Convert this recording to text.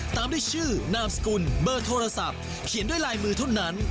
ตามด้วยชื่อนามสกุลเบอร์โทรศัพท์เขียนด้วยลายมือเท่านั้น